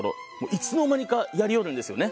いつの間にかやりよるんですよね。